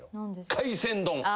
海鮮丼。